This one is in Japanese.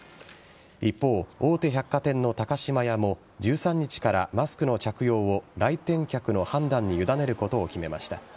一方、大手百貨店の高島屋も１３日からマスクの着用を来店客の判断に委ねることを決めました。